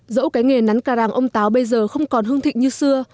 dẫu cái nghề nắn cà ràng ông táo bây giờ không còn hương thịnh như xưa